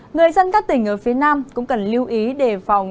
người dân các tỉnh ở phía nam cũng cần lưu ý đề phòng